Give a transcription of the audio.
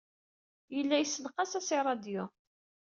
Yella yessenqas-as i ṛṛadyu.